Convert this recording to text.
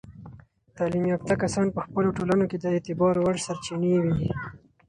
تعلیم یافته کسان په خپلو ټولنو کې د اعتبار وړ سرچینې وي.